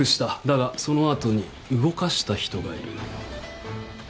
だがその後に動かした人がいる。